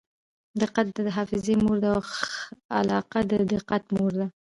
دقت د حافظې مور دئ او علاقه د دقت مور ده.